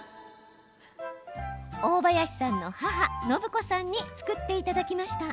大林さんの母、のぶ子さんに作っていただきました。